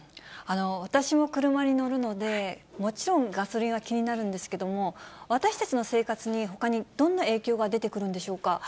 私も車に乗るので、もちろん、ガソリンは気になるんですけれども、私たちの生活にほかにどんな影響が出てくるんでしょうか。